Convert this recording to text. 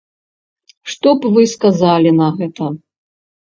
Што б вы сказалі на гэта?